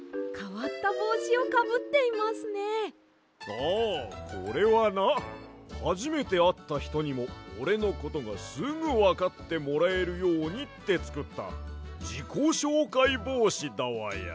ああこれはなはじめてあったひとにもおれのことがすぐわかってもらえるようにってつくったじこしょうかいぼうしだわや。